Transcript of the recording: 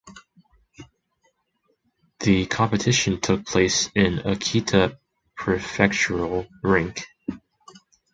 The competition took place in Akita Prefectural Rink.